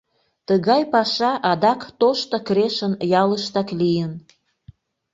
Тыгай паша адак Тошто Крешын ялыштак лийын.